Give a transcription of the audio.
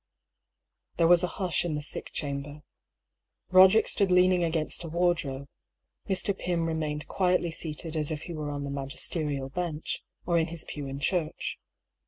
There was a hush in the sick chamber. Boderick stood leaning against a wardrobe ; Mr. Pym remained quietly seated as if he were on the magisterial bench, or in his pew in church.